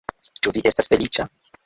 Ĉu vi estas feliĉa?